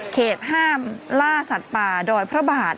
เหตุห้ามล่าสัตว์ป่าดอยพระบาท